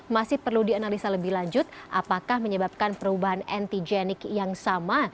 masih perlu dianalisa lebih lanjut apakah menyebabkan perubahan antigenik yang sama